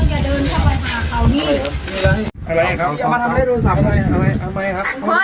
อย่ามาทำร้ายร่างกายผมครับอย่ามาทำร้ายร่างกายผมครับ